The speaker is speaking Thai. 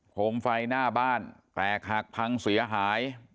มไฟหน้าบ้านแตกหักพังเสียหาย